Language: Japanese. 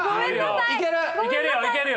いける！